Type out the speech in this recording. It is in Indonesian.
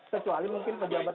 kecuali mungkin ke jenjang